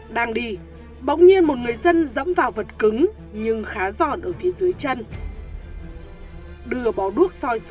đang đi bỗng nhiên một người dân dẫm vào vật cứng nhưng khá giọt ở phía dưới chân đưa bò đuốc soi ruột